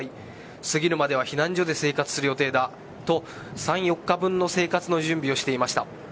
過ぎるまでは避難所で生活する予定だと３、４日分の生活の準備をしていました。